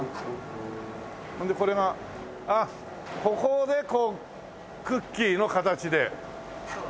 ほんでこれがあっここでクッキーの形で。